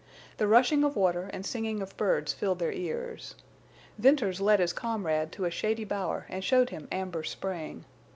The rushing of water and singing of birds filled their ears. Venters led his comrade to a shady bower and showed him Amber Spring.